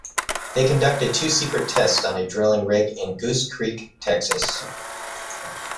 They conducted two secret tests on a drilling rig in Goose Creek, Texas.